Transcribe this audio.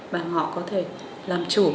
và họ có thể làm chủ